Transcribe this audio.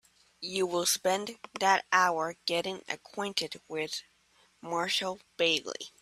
You will spend that hour getting acquainted with Marshall Bailey.